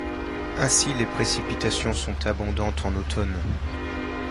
Ainsi les précipitations sont abondantes en automne.